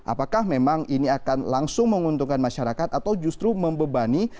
apakah memang ini akan langsung menguntungkan masyarakat atau justru membebani